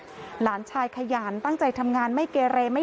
หลานชายขยานตั้งใจทำงานไม่เกรร่ไม่ดื่มเหล้า